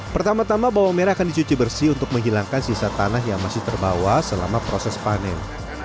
pertama tama bawang merah akan dicuci bersih untuk menghilangkan sisa tanah yang masih terbawa selama proses panen